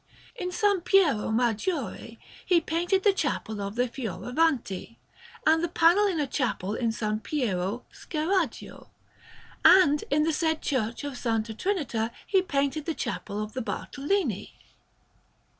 In S. Piero Maggiore he painted the Chapel of the Fioravanti, and the panel in a chapel in S. Piero Scheraggio; and in the said Church of S. Trinita he painted the Chapel of the Bartolini.